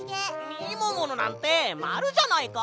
みもものなんてまるじゃないか！